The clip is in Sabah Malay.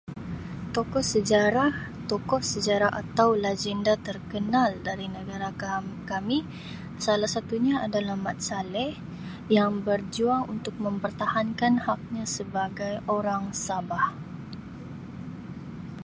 Tokoh sejarah tokoh sejarah atau lagenda terkenal dari negara kam-kami salah satu nya adalah Mat Salleh yang berjuang untuk mempertahankan hak nya sebagai orang Sabah.